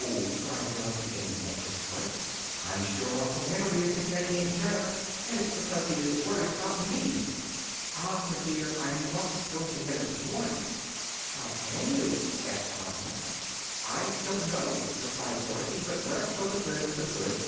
cried Dorothy, in an anxious voice, "I'm sure Uncle Henry isn't getting any better, and it's because he is worried about me. Ozma, dear, I must go to him at once!" "How can you?" asked Ozma. "I don't know," replied Dorothy; "but let us go to Glinda the Good.